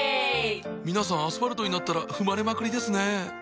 皆さんアスファルトになったら踏まれまくりですねぇ。